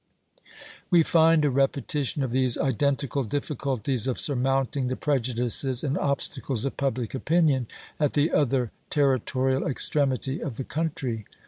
We find a repetition of these identical difficulties of surmounting the prejudices and obstacles of public opinion at the other territorial extremity of the country.